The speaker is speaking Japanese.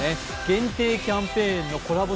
限定キャンペーンのコラボ